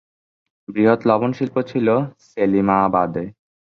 বৃহৎ লবণ শিল্প ছিল সেলিমাবাদে।